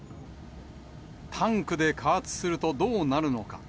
タンクで加圧するとどうなるのか。